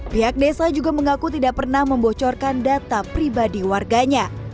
pihak desa juga mengaku tidak pernah membocorkan data pribadi warganya